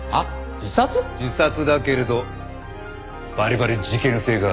自殺だけれどバリバリ事件性がある。